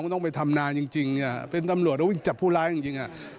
ก็ต้องไปทำนานจริงเป็นตำรวจแล้ววิ่งจับผู้ร้ายจริง